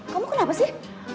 kamu kenapa sih